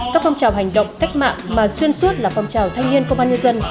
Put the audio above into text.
các phong trào hành động cách mạng mà xuyên suốt là phong trào thanh niên công an nhân dân